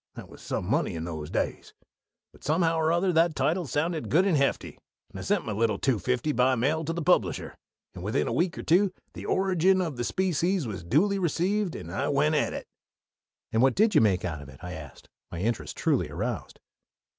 That was some money in those days; but somehow or other that title sounded good and hefty, and I sent my little two fifty by mail to the publisher, and within a week or two 'The Origin of the Species' was duly received, and I went at it." "And what did you make out of it?" I asked, my interest truly aroused.